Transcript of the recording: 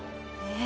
え？